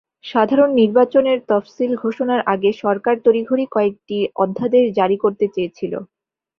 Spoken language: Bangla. সাধারণ নির্বাচনের তফসিল ঘোষণার আগে সরকার তড়িঘড়ি কয়েকটি অধ্যাদেশ জারি করতে চেয়েছিল।